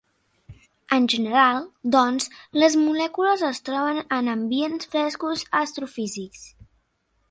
En general, doncs, les molècules es troben en ambients frescos astrofísics.